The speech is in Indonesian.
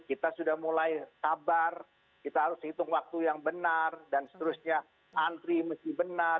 kita sudah mulai sabar kita harus hitung waktu yang benar dan seterusnya antri mesti benar